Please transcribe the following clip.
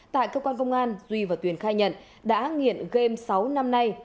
tại cơ quan công an duy và tuyền khai nhận đã nghiện game sáu năm nay